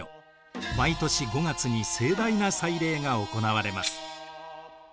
毎年５月に盛大な祭礼が行われます。